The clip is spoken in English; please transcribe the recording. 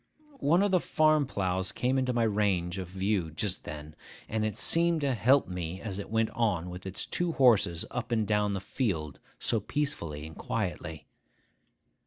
One of the farm ploughs came into my range of view just then; and it seemed to help me as it went on with its two horses up and down the field so peacefully and quietly.